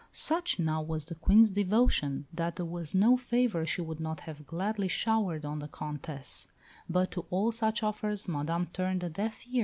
Such, now, was the Queen's devotion that there was no favour she would not have gladly showered on the Comtesse; but to all such offers Madame turned a deaf ear.